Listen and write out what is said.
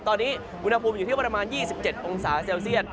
ตอนนี้อุณหภูมิอยู่ที่ประมาณ๒๗องศาเซลเซียต